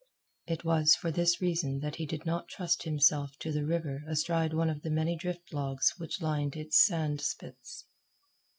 It was for this reason that he did not trust himself to the river astride one of the many drift logs which lined its sand spits.